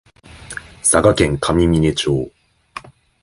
佐賀県上峰町